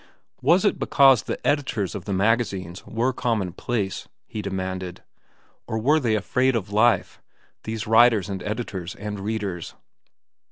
Was it because the editors of the magazines were commonplace? he demanded. Or were they afraid of life, these writers and editors and readers?